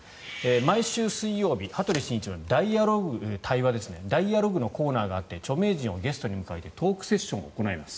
毎週水曜日「羽鳥慎一のダイアログ」のコーナーがあって著名人をゲストに迎えてトークセッションを行います。